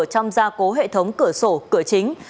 trong gia cố hệ thống cửa sổ cửa chính